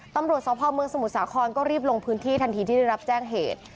ตำรวจสพเมืองสมุทรสาครก็รีบลงพื้นที่ทันทีที่ได้รับแจ้งเหตุ